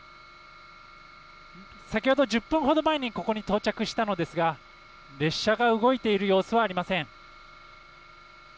先ほど１０分ほど前にここに到着したのですが列車が動いている様子はありません。